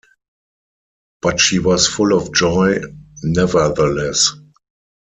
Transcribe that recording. But she was full of joy, nevertheless.